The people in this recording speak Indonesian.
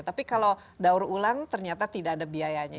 tapi kalau daur ulang ternyata tidak ada biayanya